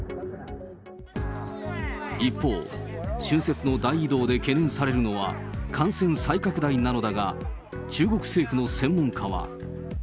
一方、春節の大移動で懸念されるのは、感染再拡大なのだが、中国政府の専門家は。